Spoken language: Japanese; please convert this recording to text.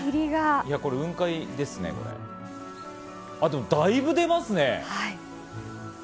いやこれ雲海ですね、だいぶ出ますね。